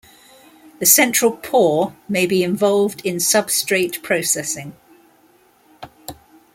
The central pore may be involved in substrate processing.